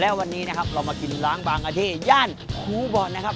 แล้ววันนี้นะครับเรามากินล้างบางครับที่ย่านคูบ่อนนะครับ